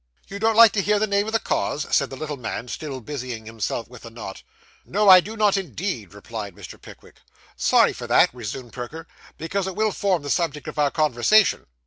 'You don't like to hear the name of the cause?' said the little man, still busying himself with the knot. 'No, I do not indeed,' replied Mr. Pickwick. 'Sorry for that,' resumed Perker, 'because it will form the subject of our conversation.